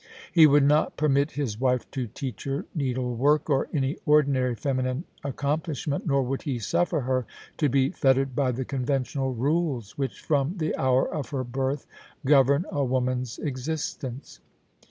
He would not permit his wife to teach her needlework or any ordinary feminine 96 POLICY AND PASSION, accomplishment, nor would he suffer her to be fettered by the conventional rules which from the hour of her birth govern a woman^s existence.